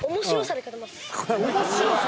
［面白さ！？］